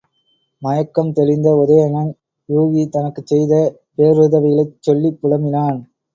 மயக்கம் தெளிந்த உதயணன், யூகி தனக்குச் செய்த பேருதவிகளைச் சொல்லிப் புலம்பினான்.